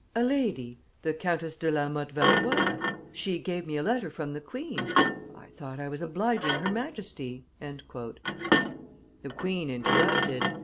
"A lady, the Countess de la Motte Valois, ... she gave me a letter from the queen; I thought I was obliging her Majesty. ... "The queen interrupted.